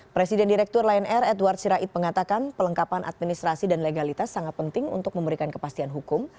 presiden direktur lion air edward sirait mengatakan pelengkapan administrasi dan legalitas sangat penting untuk memberikan kepastian hukum